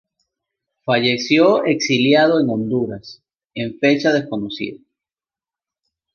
Falleció exiliado en Honduras en fecha desconocida.